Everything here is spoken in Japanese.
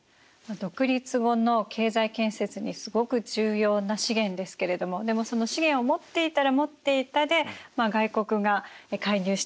独立後の経済建設にすごく重要な資源ですけれどもでもその資源を持っていたら持っていたで外国が介入してきてしまう